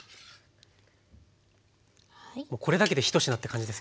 これだけで１品って感じですけどね。